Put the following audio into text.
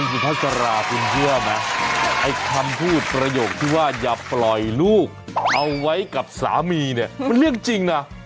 สุภาษาราคุณเชื่อไหมไอ้คำพูดประโยคที่ว่าอย่าปล่อยลูกเอาไว้กับสามีเนี่ยมันเรื่องจริงนะ